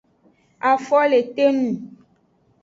Afo le te nung.